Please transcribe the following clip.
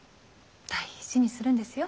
大事にするんですよ。